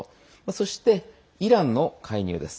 そしてイランの介入です。